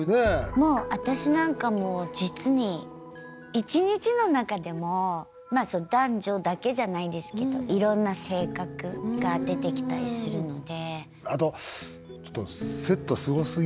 もう私なんかも実に一日の中でも男女だけじゃないですけどいろんな性格が出てきたりするので。